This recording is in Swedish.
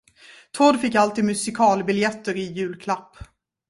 Thord fick alltid musikalbiljetter i julklapp.